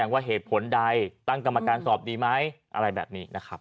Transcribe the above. ว่าเหตุผลใดตั้งกรรมการสอบดีไหมอะไรแบบนี้นะครับ